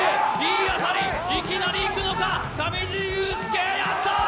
いい当たり、いきなりいくのか、上地雄輔、やったー！